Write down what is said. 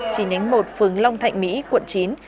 chỉ nhánh một phường long thạnh mỹ quận chín